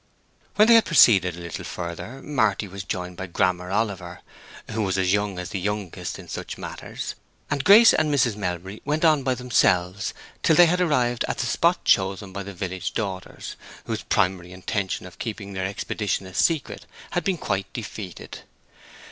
When they had proceeded a little farther Marty was joined by Grammer Oliver (who was as young as the youngest in such matters), and Grace and Mrs. Melbury went on by themselves till they had arrived at the spot chosen by the village daughters, whose primary intention of keeping their expedition a secret had been quite defeated.